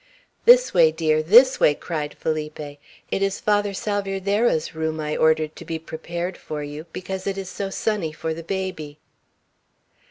"This way, dear; this way," cried Felipe. "It is Father Salvierderra's room I ordered to be prepared for you, because it is so sunny for the baby!"